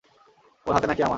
ওর হাতে নাকি আমার।